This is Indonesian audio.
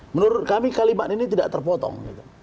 menurut kami kalimat ini tidak terpotong